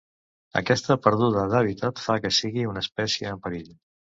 Aquesta perduda d'hàbitat fa que sigui una espècie en perill.